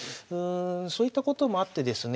そういったこともあってですね。